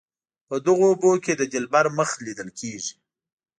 په دغو اوبو کې د دلبر مخ لیدل کیږي.